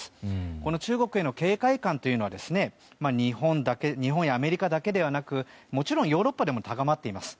この中国への警戒感というのが日本やアメリカだけではなくもちろんヨーロッパでも高まっています。